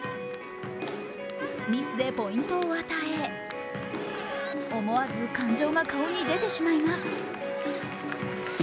ミスでポイントを与え、思わず感情が顔に出てしまいます。